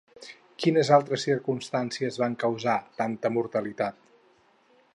Quines altres circumstàncies van causar tanta mortalitat?